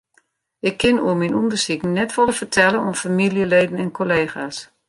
Ik kin oer myn ûndersiken net folle fertelle oan famyljeleden en kollega's.